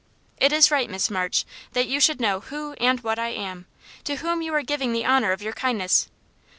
"It is right, Miss March, that you should know who and what I am, to whom you are giving the honour of your kindness.